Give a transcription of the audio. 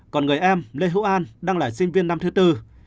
còn người em lê hữu an đang là sinh viên năm thứ tư